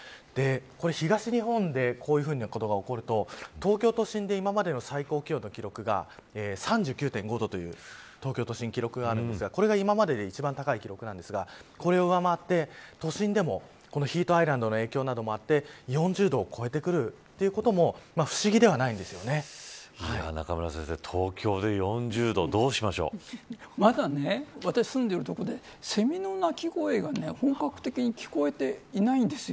これ東日本でこういうことが起こると東京都心で今までの最高気温の記録が３９．５度という記録があるんですがこれが今までで一番高い記録なんですがこれを上回って、都心でもヒートアイランドの影響などもあって４０度を超えてくるということも中村先生まだ私、住んでいる所でセミの鳴き声が本格的に聞こえていないんです。